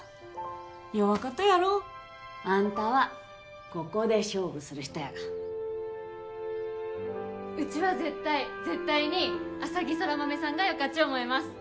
弱かとやろアンタはここで勝負する人やがウチは絶対絶対に浅葱空豆さんがよかち思います